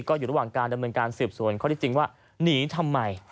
ก็อยู่ระหว่างการดำเนินการสืบสวนข้อที่จริงว่าหนีทำไม